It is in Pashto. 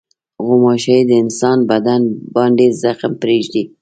غوماشې د انسان بدن باندې زخم پرېږدي.